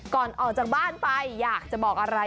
ก่อนออกจากบ้านไปอยากจะบอกอะไร